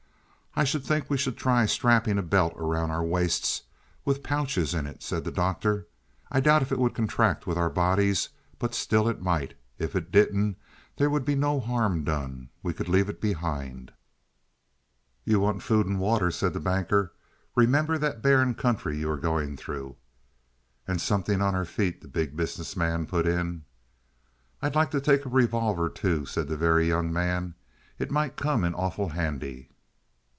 "I think we should try strapping a belt around our waists, with pouches in it," said the Doctor. "I doubt if it would contract with our bodies, but still it might. If it didn't there would be no harm done; we could leave it behind." "You want food and water," said the Banker. "Remember that barren country you are going through." "And something on our feet," the Big Business Man put in. "I'd like to take a revolver, too," said the Very Young Man. "It might come in awful handy."